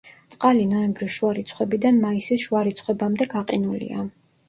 წყალი ნოემბრის შუა რიცხვებიდან მაისის შუა რიცხვებამდე გაყინულია.